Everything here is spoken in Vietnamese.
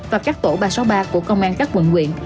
và các tổ ba trăm sáu mươi ba của công an các quận nguyện